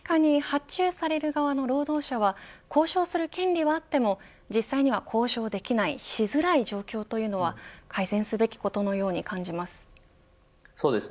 確かに発注される側の労働者は交渉する権利はあっても実際には交渉できないしづらい状況というのは改善すべきことのように感じます。